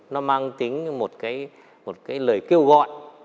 nó mang tính một cái lời kêu gọi